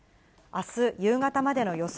あす夕方までの予想